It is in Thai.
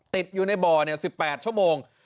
ติดอยู่ในบ่อ๑๘ชั่วโมง